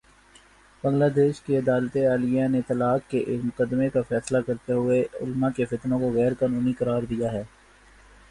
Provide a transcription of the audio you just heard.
بنگلہ دیش کی عدالتِ عالیہ نے طلاق کے ایک مقدمے کا فیصلہ کرتے ہوئے علما کے فتووں کو غیر قانونی قرار دیا ہے